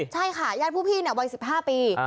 ใช่ค่ะญาติผู้พี่วัย๑๕ปี